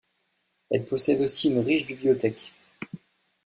Elle possède aussi une riche bibliothèque.